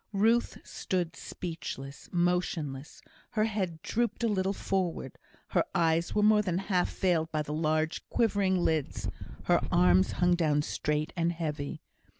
Ruth stood speechless, motionless. Her head drooped a little forward, her eyes were more than half veiled by the large quivering lids, her arms hung down straight and heavy.